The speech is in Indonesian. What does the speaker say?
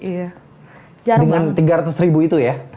iya dengan tiga ratus ribu itu ya